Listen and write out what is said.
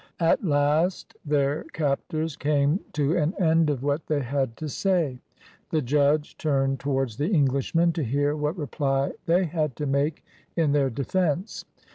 At last their captors came to an end of what they had to say. The judge turned towards the Englishmen to hear what reply they had to make in their defence.